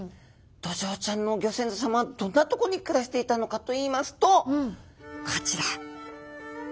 ドジョウちゃんのギョ先祖さまはどんなとこに暮らしていたのかといいますとこちら。